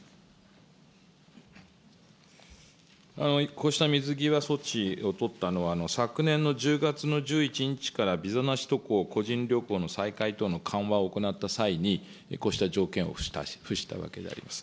こうした水際措置を取ったのは、昨年の１０月の１１日からビザなし渡航、個人旅行の再開等の緩和を行った際に、こうした条件を付したわけであります。